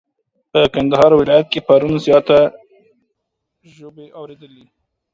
په کندهار ولايت کي پرون زياته ژبی اوريدلې.